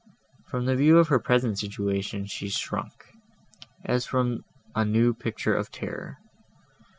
From the view of her present situation she shrunk, as from a new picture of terror.